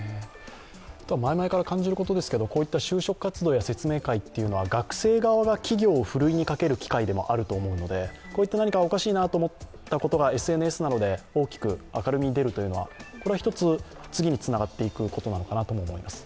前々から感じることですけど、こういった就職活動や説明会というのは学生側が企業をふるいにかける機会でもあると思うので、何かおかしいなと思ったことがＳＮＳなどで大きく明るみに出るということはこれは一つ、次につながっていくことなのかなとも思います。